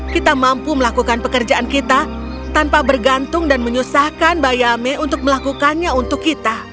kita mampu melakukan pekerjaan kita tanpa bergantung dan menyusahkan bayame untuk melakukannya untuk kita